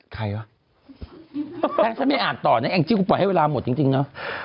ใครวะถ้าไม่อ่านต่อเนี้ยอังกฤษกูปล่อยให้เวลาหมดจริงจริงเนอะ